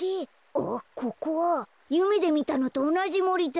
あっここはゆめでみたのとおなじもりだ。